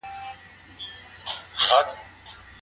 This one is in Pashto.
د سالمي ټولني لپاره سالم سياست اړين دی.